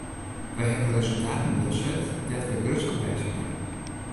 Wy hawwe resultaten delset dêr't wy grutsk op wêze kinne.